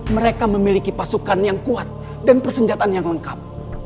mereka memiliki pasukan yang kuat dan persenjataan yang lengkap